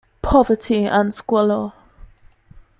Poverty and squalor.